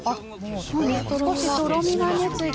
少しとろみがねついてますね。